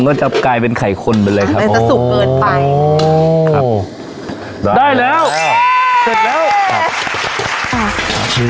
ก็จะกลายเป็นไข่คนเป็นไรครับอ๋อจะสุกเกินไปอ๋อครับได้แล้วเสร็จ